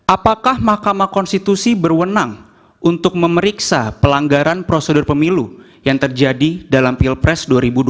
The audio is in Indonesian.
apakah mahkamah konstitusi berwenang untuk memeriksa pelanggaran prosedur pemilu yang terjadi dalam pilpres dua ribu dua puluh